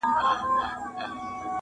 انسان لا هم زده کوي,